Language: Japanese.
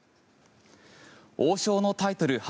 王将のタイトル初